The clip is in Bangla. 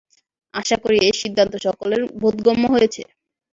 আশা করি এই সিদ্ধান্ত সকলের বোধগম্য হয়েছে।